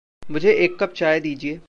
मुझे एक कप चाय दीजिए।